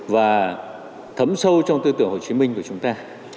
và thấm sâu trong tư tưởng hồ chí minh của chúng ta